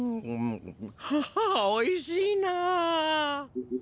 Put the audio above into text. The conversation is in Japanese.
ははおいしいな。